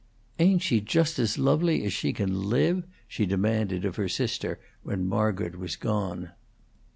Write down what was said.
"Ain't she just as lovely as she can live?" she demanded of her sister when Margaret was gone.